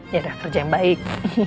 yaudah kerja yang baik